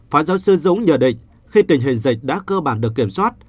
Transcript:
phó giáo sư dũng nhờ định khi tình hình dịch đã cơ bản được kiểm soát